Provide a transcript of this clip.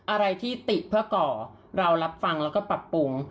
อะไรที่ติเพื่อก่อเรารับฟังแล้วก็ปรับปรุง